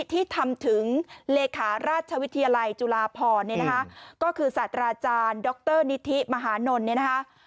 ที่ทำถึงเลขาราชวิทยาลัยจุฬาพรก็คือศาสตราจารย์ดรนิธิมหานนท์